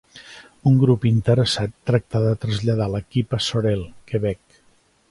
Un grup interessat tractà de traslladar l'equip a Sorel, Quebec.